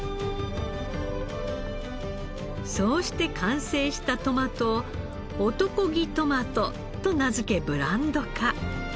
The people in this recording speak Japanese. そうして完成したトマトを「男気トマト」と名付けブランド化。